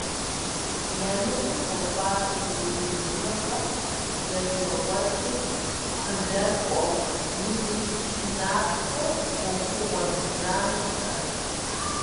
Я ныбжьым хуэфащэ зыужьыныгъэ зэримыгъуэтым къыдэкӀуэу, узыщышынапхъэу Ӏуэхугъуэ зыбжанэ щыӀэщ.